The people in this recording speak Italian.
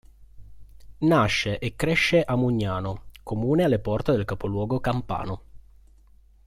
Nasce e cresce a Mugnano, comune alle porte del capoluogo campano.